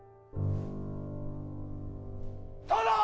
殿！